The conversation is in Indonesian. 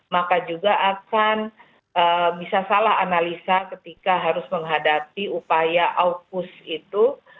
maka juga akan bisa salah analisa ketika harus menghadapi upaya aukus itu